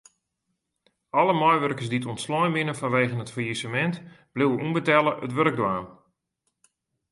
Alle meiwurkers dy't ûntslein wurde fanwegen it fallisemint bliuwe ûnbetelle it wurk dwaan.